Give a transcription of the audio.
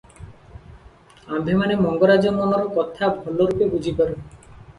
ଆମ୍ଭେମାନେ ମଙ୍ଗରାଜ ମନର କଥା ଭଲରୂପେ ବୁଝିପାରୁ ।